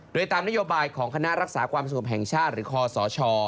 โดยตามนโยบายของคณะรักษาความสงบแห่งชาติหรือคอสช